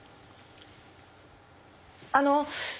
あの。